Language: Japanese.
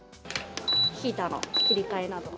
ヒーターの切り替えなど。